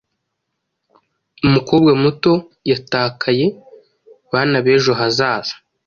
Umukobwa muto Yatakaye Bana b'ejo hazaza,